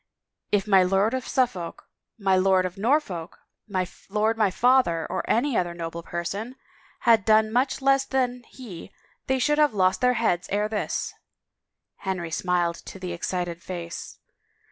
If my Lord of Suffolk, my Lord of Norfolk, my lord my father, or any other noble person had done much less than he they should have lost their heads ere this !" Henry smiled into the excited face.